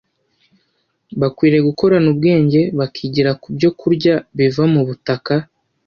bakwiriye gukorana ubwenge bakigira ku byokurya biva mu butaka